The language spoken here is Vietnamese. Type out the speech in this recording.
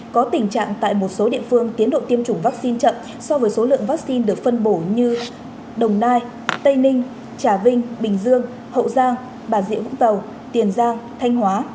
có tình trạng tại một số địa phương tiến độ tiêm chủng vaccine chậm so với số lượng vaccine được phân bổ như đồng nai tây ninh trà vinh bình dương hậu giang bà diệu vũng tàu tiền giang thanh hóa